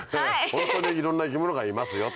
ホントにいろんな生き物がいますよと。